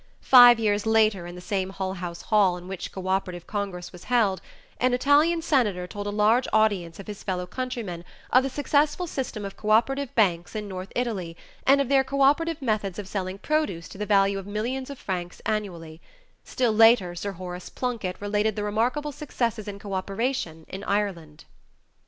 Five years later in the same Hull House hall in which the cooperative congress was held, an Italian senator told a large audience of his fellow countrymen of the successful system of cooperative banks in north Italy and of their cooperative methods of selling produce to the value of millions of francs annually; still later Sir Horace Plunkett related the remarkable successes in cooperation in Ireland.